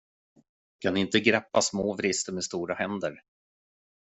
Kan inte greppa små vrister med stora händer!